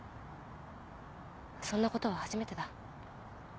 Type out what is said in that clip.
そんなことは初めてだ。